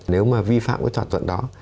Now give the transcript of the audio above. nếu mà vi phạm cái thỏa thuận đó